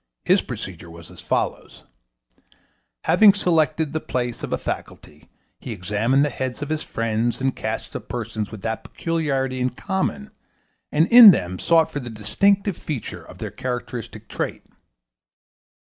His procedure was as follows: Having selected the place of a faculty, he examined the heads of his friends and casts of persons with that peculiarity in common, and in them sought for the distinctive feature of their characteristic trait.